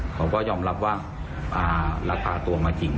เขาก็ยอมรับว่ารักษาตัวมาจริง